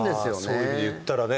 そういう意味で言ったらね